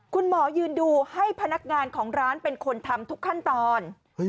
คุณหมอยืนดูให้พนักงานของร้านเป็นคนทำทุกขั้นตอน